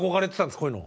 こういうの。